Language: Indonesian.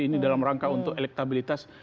ini dalam rangka untuk elektabilitas